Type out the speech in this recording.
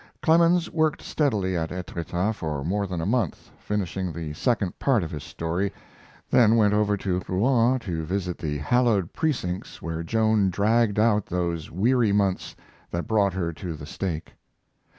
Clemens worked steadily at Etretat for more than a month, finishing the second part of his story, then went over to Rouen to visit the hallowed precincts where Joan dragged out those weary months that brought her to the stake.